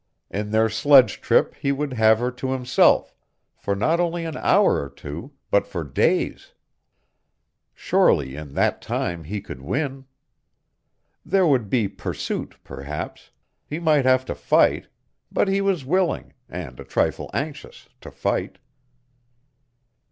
In their sledge trip he would have her to himself, for not only an hour or two, but for days. Surely in that time he could win. There would be pursuit, perhaps; he might have to fight but he was willing, and a trifle anxious, to fight.